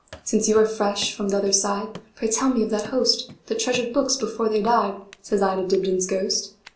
"Since you are fresh from t'other side, Pray tell me of that hostThat treasured books before they died,"Says I to Dibdin's ghost.